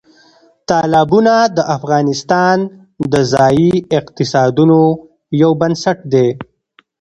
تالابونه د افغانستان د ځایي اقتصادونو یو بنسټ دی.